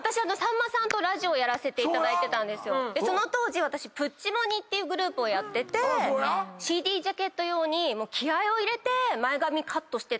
その当時私プッチモニっていうグループをやっててＣＤジャケット用に気合を入れて前髪カットしてったんですよ。